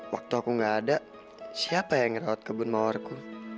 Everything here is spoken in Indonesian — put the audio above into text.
waktu aku gak ada siapa yang ngerawat kebun mawarku